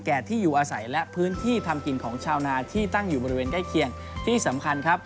ที่อยู่อาศัยและพื้นที่ทำกินของชาวนาที่ตั้งอยู่บริเวณใกล้เคียงที่สำคัญครับ